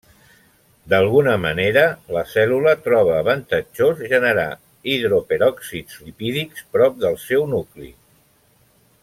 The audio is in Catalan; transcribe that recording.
D'alguna manera la cèl·lula troba avantatjós generar hidroperòxids lipídics prop del seu nucli.